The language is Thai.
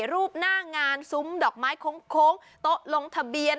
รูปหน้างานซุ้มดอกไม้โค้งโต๊ะลงทะเบียน